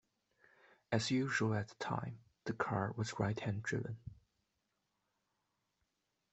As usual at the time, the car was right-hand driven.